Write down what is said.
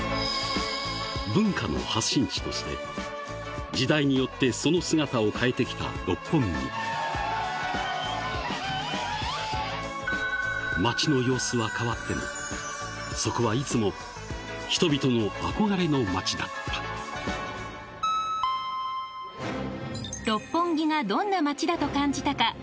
文化の発信地として時代によってその姿を変えて来た六本木街の様子は変わってもそこはいつも人々の憧れの街だった六本木がどんな街だと感じたか。